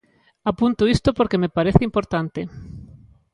Apunto isto porque me parece importante.